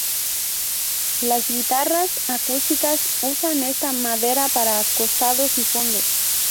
Las guitarras acústicas usan esta madera para costados y fondos.